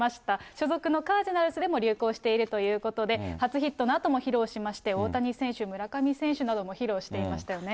所属のカージナルスでも流行しているということで、初ヒットのあとも披露しまして、大谷選手、村上選手なども披露していましたよね。